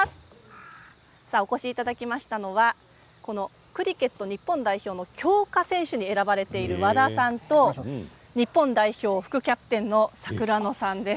お越しいただきましたのはクリケット日本代表の強化選手に選ばれている和田さんと日本代表副キャプテンの櫻野さんです。